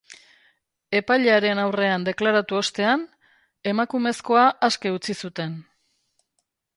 Epailearen aurrean deklaratu ostean, emakumezkoa aske utzi zuten.